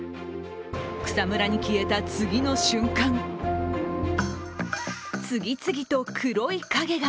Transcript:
草むらに消えた次の瞬間、次々と黒い影が。